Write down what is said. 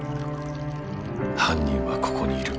犯人はここにいる。